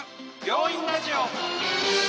「病院ラジオ」。